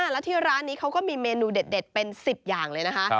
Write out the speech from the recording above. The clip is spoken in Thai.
แล้วที่ร้านนี้เขาก็มีเมนูเด็ดเป็น๑๐อย่างเลยนะคะ